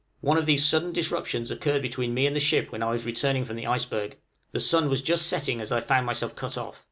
One of these sudden disruptions occurred between me and the ship when I was returning from the iceberg; the sun was just setting as I found myself cut off.